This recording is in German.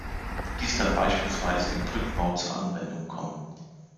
Dies kann beispielsweise im Brückenbau zur Anwendung kommen.